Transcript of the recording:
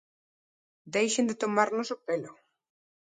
¡Deixen de tomarnos o pelo!